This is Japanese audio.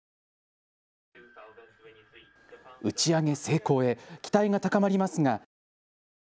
打ち上げ成功へ期待が高まりますが。